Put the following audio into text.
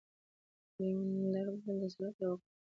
د لیوانډر ګل د څه لپاره وکاروم؟